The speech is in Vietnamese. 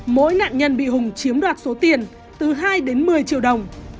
mỗi nạn nhân bị hùng chiếm đoạt số tiền từ hai đến một mươi triệu đồng